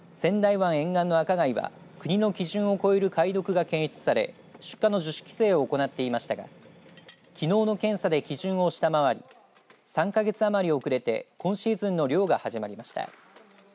仙台湾沿岸のアカガイは国の基準を超える貝毒が検出され出荷の自主規制を行っていましたがきのうの検査で基準を下回り３か月余り遅れて今シーズンの漁が始まりました。